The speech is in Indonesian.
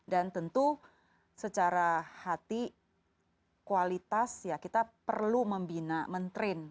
dan tentu secara hati kualitas ya kita perlu membina mentrin